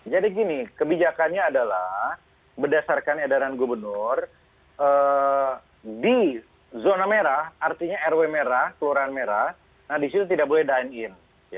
jadi gini kebijakannya adalah berdasarkan edaran gubernur di zona merah artinya rw merah keluaran merah nah di situ tidak boleh dine in